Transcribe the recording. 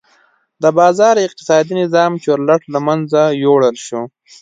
د بازار اقتصادي نظام چورلټ له منځه یووړل شو.